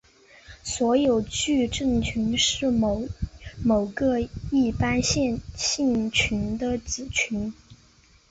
所有矩阵群是某个一般线性群的子群。